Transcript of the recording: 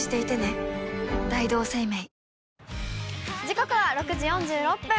時刻は６時４６分。